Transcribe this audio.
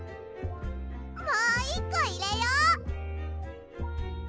もう１こいれよう！